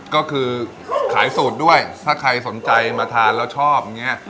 ก็คือขายสูตรด้วยถ้าใครสนใจมาทานแล้วชอบอย่างนี้